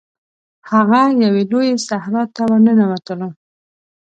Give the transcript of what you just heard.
هغه یوې لويي صحرا ته ورننوتلو.